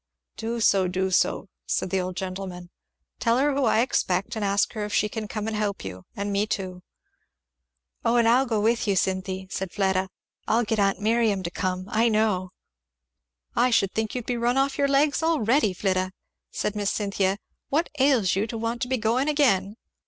"Do so do so," said the old gentleman. "Tell her who I expect, and ask her if she can come and help you, and me too." "O and I'll go with you, Cynthy," said Fleda. "I'll get aunt Miriam to come, I know." "I should think you'd be run off your legs already, Flidda," said Miss Cynthia; "what ails you to want to be going again?"